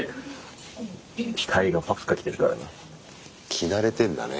着慣れてんだね